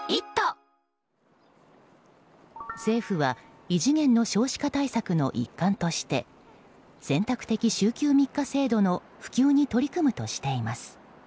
政府は異次元の少子化対策の一環として選択的週休３日制度の普及に取り組むとしています。